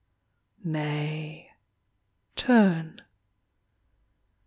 Nay, turn.